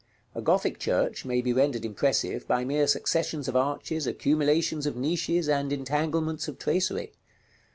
A Gothic church may be rendered impressive by mere successions of arches, accumulations of niches, and entanglements of tracery.